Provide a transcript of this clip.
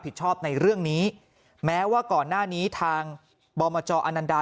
ผิดชอบในเรื่องนี้แม้ว่าก่อนหน้านี้ทางบมจอนันดา